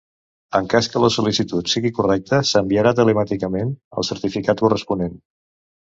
En cas que la sol·licitud sigui correcta, s'enviarà telemàticament el certificat corresponent.